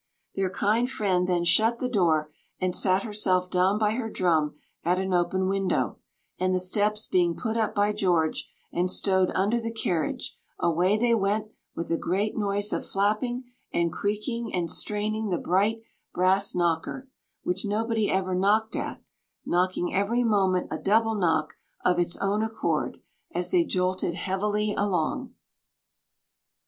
Their kind friend then shut the door, and sat herself down by her drum at an open window; and the steps being put up by George, and stowed under the carriage, away they went, with a great noise of flapping, and creaking, and straining, the bright brass knocker, which nobody ever knocked at, knocking every moment a double knock of its own accord, as they jolted heavily along.